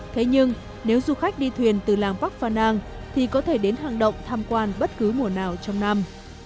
thế nhưng nếu du khách đi thuyền từ làng bắc phà nang thì có thể đến hang động tham quan bất cứ mùa nào trong năm